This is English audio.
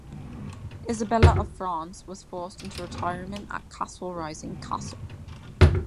Isabella of France was forced into retirement at Castle Rising Castle.